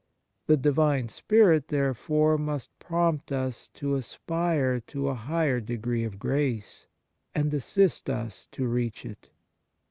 The Divine Spirit there fore must prompt us to aspire to a higher degree of grace, and assist us to reach it.